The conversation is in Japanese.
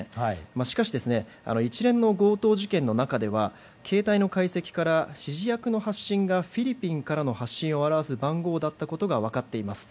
しかし、一連の強盗事件の中では携帯の解析から指示役の発信がフィリピンからの発信を表す番号だったことが分かっています。